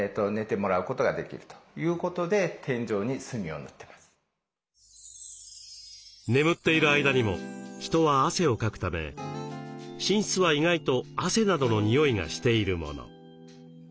これ何かというと眠っている間にも人は汗をかくため寝室は意外と汗などの匂いがしているもの。